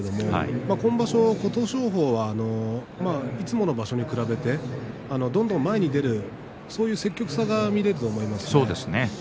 今場所、琴勝峰がいつもの場所に比べてどんどん前に出るそういう積極さが見られると思います。